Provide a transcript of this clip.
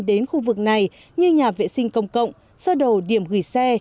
đến khu vực này như nhà vệ sinh công cộng sơ đồ điểm gửi xe